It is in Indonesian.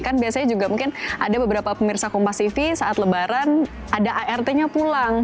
kan biasanya juga mungkin ada beberapa pemirsa kompas tv saat lebaran ada art nya pulang